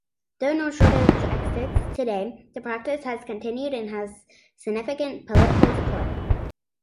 Though no shortage exists today, the practice has continued and has significant political support.